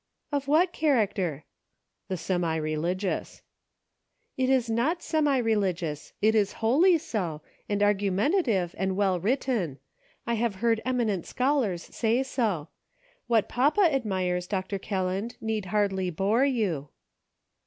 "Of what character.?" "The semi religious." "It is not semi religious; it is wholly so, and argumentative, and well written. I have heard eminent scholars say so. What papa admires. Dr. Kelland, need hardly bore you."